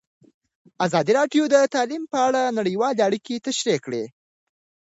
ازادي راډیو د تعلیم په اړه نړیوالې اړیکې تشریح کړي.